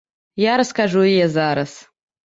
Я раскажу яе зараз.